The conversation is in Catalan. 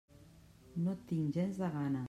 No tinc gens de gana.